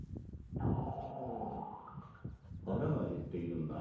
腹が減っているんだ。